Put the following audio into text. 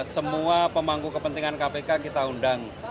semua pemangku kepentingan kpk kita undang